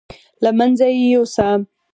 له منځه یې یوسه.